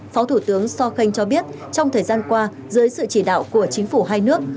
phó thủ tướng sokhang cho biết trong thời gian qua dưới sự chỉ đạo của chính phủ hai nước